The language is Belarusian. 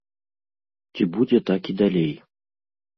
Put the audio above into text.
Ці будзе так і далей?